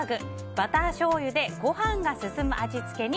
バターしょうゆでごはんがススム味付けに！